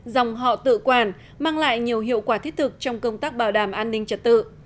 dòng họ tự quản mang lại nhiều hiệu quả thiết thực trong công tác bảo đảm an ninh trật tự